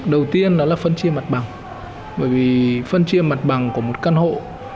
đầu tiên đó là phân chia mặt bằng bởi vì phân chia mặt bằng của một căn hộ